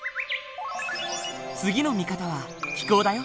次の見方は気候だよ。